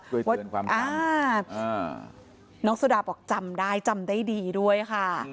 โดยเตือนความคำน้องโซดาบอกจำได้จำได้ดีด้วยค่ะ